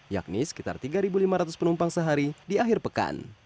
yakni sekitar tiga lima ratus penumpang sehari di akhir pekan